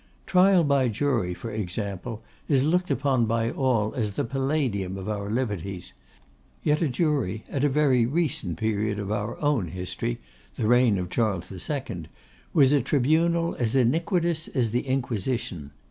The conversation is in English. Trial by jury, for example, is looked upon by all as the Palladium of our liberties; yet a jury, at a very recent period of our own history, the reign of Charles II., was a tribunal as iniquitous as the Inquisition.